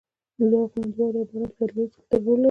لوړ غرونه د واروې او باران په راټولېدو کې ستر رول لوبوي